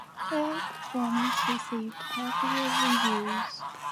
Her performance received positive reviews.